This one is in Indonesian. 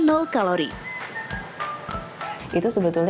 menurut saya mie ini sangat berharga